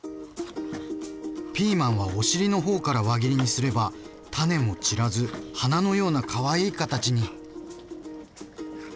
ピーマンはお尻の方から輪切りにすれば種も散らず花のようなかわいい形に。